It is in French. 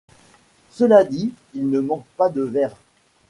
Cela dit, il ne manque pas de verve.